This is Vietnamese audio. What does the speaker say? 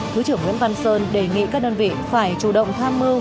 thứ trưởng nguyễn văn sơn đề nghị các đơn vị phải chủ động tham mưu